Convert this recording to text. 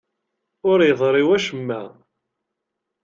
Ur yeḍṛi wacemma.